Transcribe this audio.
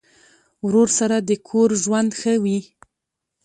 ورور سره د کور ژوند ښه وي.